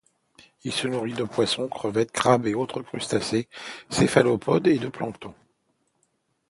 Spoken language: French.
Il se nourrit de poissons, crevettes, crabes et autres crustacés, céphalopodes et de plancton.